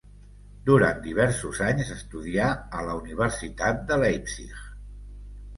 Durant diversos anys, estudià a la Universitat de Leipzig.